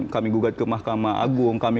kami gugat ke mahkamah agung kami